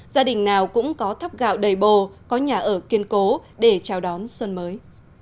gia đình nào cũng có thóc gạo đầy bồ có nhà ở kiên cố để chào đón xuân mới